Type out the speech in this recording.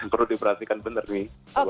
perlu diperhatikan benar nih